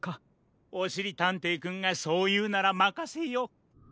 おしりたんていくんがそういうならまかせよう。